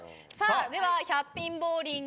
では１００ピンボウリング